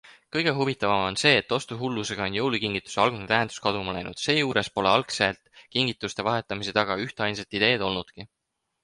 Kõige huvitavam on see, et ostuhullusega on jõulukingituste algne tähendus kaduma läinud, seejuures pole algselt kingituste vahetamise taga ühtainsat ideed olnudki.